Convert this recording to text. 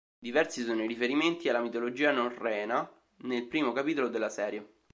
Diversi sono i riferimenti alla mitologia norrena nel primo capitolo della serie.